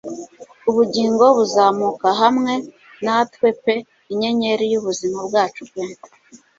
Ubugingo buzamuka hamwe natwe pe Inyenyeri y'ubuzima bwacu pe